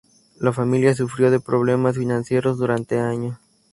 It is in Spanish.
La familia sufrió de problemas financieros durante años.